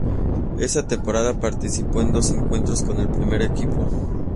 Esa temporada participó en dos encuentros con el primer equipo.